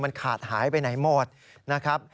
มันขาดหายไปไหนหมดนะครับ